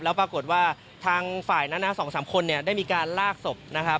แล้วปรากฏว่าทางฝ่ายนั้นนะ๒๓คนเนี่ยได้มีการลากศพนะครับ